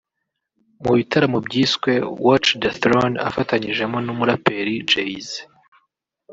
mu bitaramo byiswe "Watch the Throne" afatanyijemo n’umuraperi Jay-Z